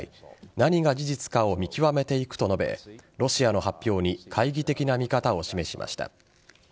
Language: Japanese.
何が事実かを見極めていくと述べロシアの発表に懐疑的な見方を示しました。